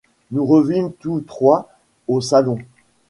Nous revînmes tous trois au salon.